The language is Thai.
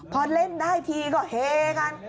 พอเล่นได้ทีก็เฮกัน